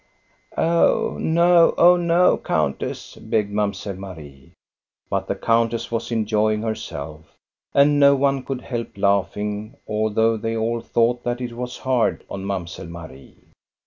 " Oh no, oh no, countess !" begged Mamselle Marie. But the countess was enjoying herself, and no one could help laughing, although they all thought that it was hard on Mamselle Marie.